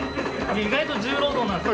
意外と重労働なんです。